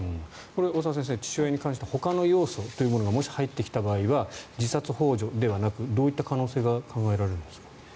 大澤先生、父親に関してほかの要素というものがもし入ってきた場合は自殺ほう助ではなくどういった可能性が考えられるんですか？